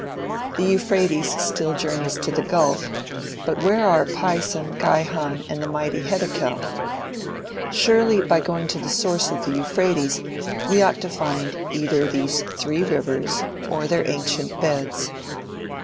The Euphrates still journeys to the gulf, but where are Pison, Gihon and the mighty Heddekel? Surely by going to the source of the Euphrates we ought to find either these three rivers or their ancient beds.